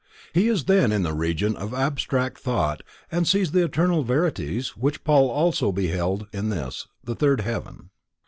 He is then in the Region of abstract Thought and sees the eternal verities which also Paul beheld in this, the third, heaven.